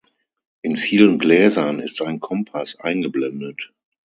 In vielen Gläsern ist ein Kompass eingeblendet.